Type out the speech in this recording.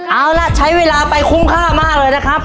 เอาล่ะใช้เวลาไปคุ้มค่ามากเลยนะครับ